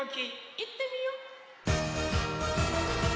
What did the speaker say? いってみよ。